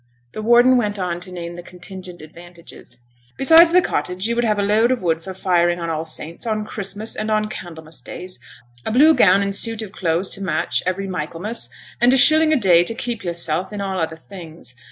The warden went on to name the contingent advantages. 'Besides the cottage, you would have a load of wood for firing on All Saints', on Christmas, and on Candlemas days a blue gown and suit of clothes to match every Michaelmas, and a shilling a day to keep yourself in all other things.